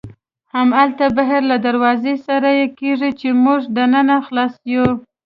همالته بهر له دروازې سره یې کېږدئ، چې موږ دننه خلاص یو.